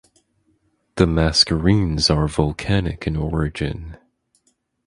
The Mascarenes are volcanic in origin.